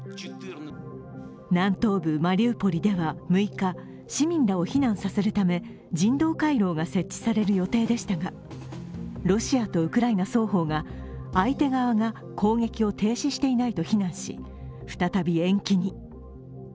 南東部マリウポリでは６日市民らを避難させるため人道回廊を設置される予定でしたがロシアとウクライナ双方が相手側が攻撃を停止していないと非難し、再び延期に。